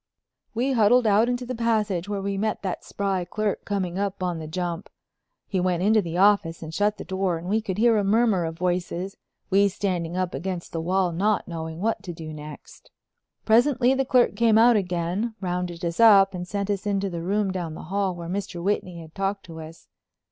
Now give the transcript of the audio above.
We huddled out into the passage where we met that spry clerk coming up on the jump. He went into the office and shut the door, and we could hear a murmur of voices, we standing up against the wall not knowing what to do next. Presently the clerk came out again, rounded us up and sent us into the room down the hall where Mr. Whitney had talked to us.